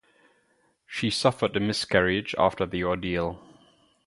She suffered a miscarriage after the ordeal.